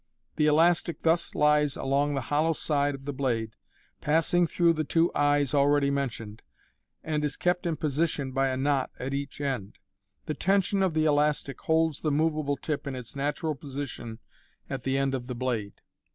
The elastic thus lies along the hollow side of tht blade, passing through the two rt eyes" already mentioned, and is kept in position by a knot at each end. The tension of the elastic holds the moveable tip in its natural position at the end of the blade.